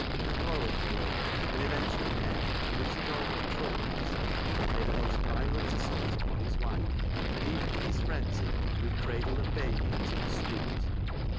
A quarrel followed, and eventually Ned, losing all control of himself, made a most violent assault upon his wife, and even in his frenzy threw cradle and baby into the street.